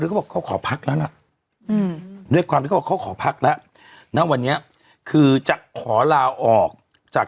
ฟื้นแล้วก็ขอพักนะเร็วความเขาขอพักและนะวันนี้คือจะขอลาออกจาก